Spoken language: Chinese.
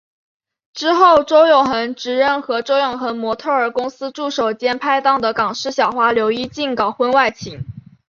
之后周永恒直认和周永恒模特儿公司助手兼拍档的港视小花刘依静搞婚外情。